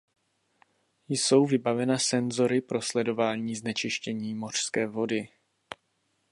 Jsou vybavena senzory pro sledování znečištění mořské vody.